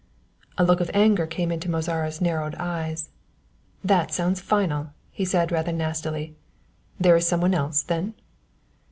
A look of anger came into Mozara's narrow eyes. "That sounds final," he said rather nastily; "there is some one else, then?"